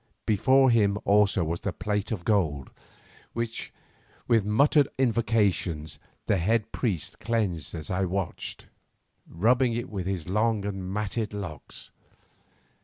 Before him also was a plate of gold, which with muttered invocations the head priest cleansed as I watched, rubbing it with his long and matted locks.